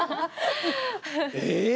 えっ！